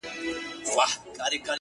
باران دی، وريځ ده ستا سترگي پټې,